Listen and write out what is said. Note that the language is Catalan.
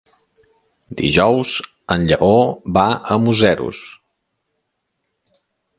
Dijous en Lleó va a Museros.